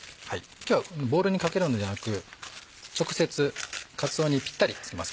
今日はボウルにかけるのではなく直接かつおにピッタリつけます。